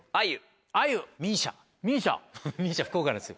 ＭＩＳＩＡ福岡なんですよ。